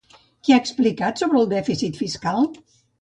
Què ha explicat sobre el dèficit fiscal?